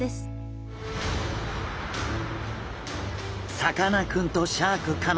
さかなクンとシャーク香音さん